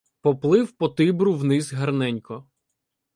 Поплив по Тибру вниз гарненько